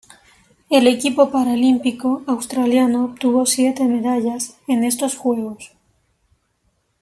El equipo paralímpico australiano obtuvo siete medallas en estos Juegos.